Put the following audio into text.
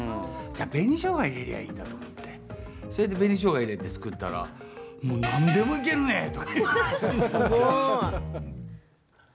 じゃあ、紅しょうが入れりゃあいいんだと思ってそれで紅しょうが入れて作ったらもう、なんでもいけるねという話になって。